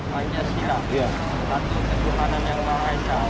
pancasila satu kejutan yang mahasiswa